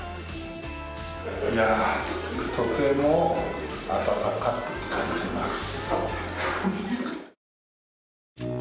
いやあとても温かく感じます。